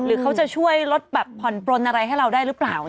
หรือเขาจะช่วยลดแบบผ่อนปลนอะไรให้เราได้หรือเปล่า